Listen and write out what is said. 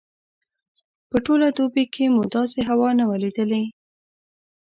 په ټوله دوبي کې مو داسې هوا نه وه لیدلې.